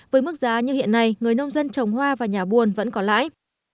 với mức giá như hiện nay người nông dân trồng hoa và nhà buồn vẫn có lãi